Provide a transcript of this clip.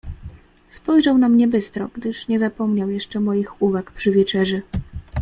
"Spojrzał na mnie bystro, gdyż nie zapomniał jeszcze moich uwag przy wieczerzy."